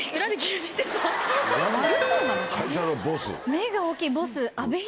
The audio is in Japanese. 目が大きいボス。